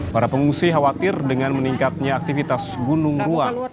para pengungsi khawatir dengan meningkatnya aktivitas gunung ruah